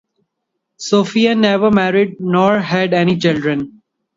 Sophia never married nor had any children.